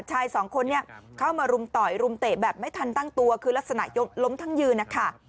ชายสองคนเนี่ยเข้ามารุมต่อยรุมเตะแบบไม่ทันตั้งตัวคือลักษณะยดล้มทั้งยืนนะคะ